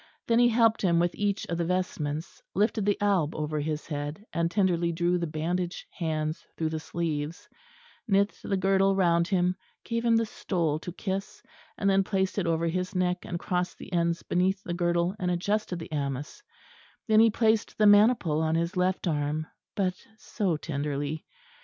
Then he helped him with each of the vestments, lifted the alb over his head and tenderly drew the bandaged hands through the sleeves; knit the girdle round him; gave him the stole to kiss and then placed it over his neck and crossed the ends beneath the girdle and adjusted the amice; then he placed the maniple on his left arm, but so tenderly!